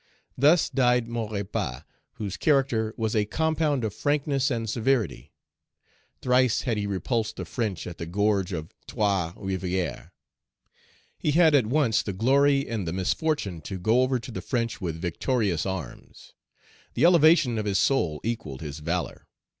Thus died Maurepas, whose character was a compound of frankness and severity. Thrice had he repulsed the French at the gorge of Trois Rivières; he had at once the glory and the misfortune to go over to the French with victorious arms. The elevation of his soul equalled his valor.